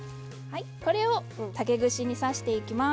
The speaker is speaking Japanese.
これを竹串に刺していきます。